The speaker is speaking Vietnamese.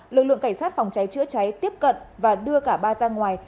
lực lượng cảnh sát phòng cháy chữa cháy tiếp cận và đưa cả ba ra ngoài